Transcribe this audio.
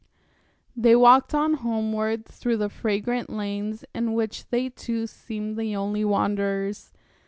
They walked on homeward through the fragrant lanes, in which they two seemed the only wanderers.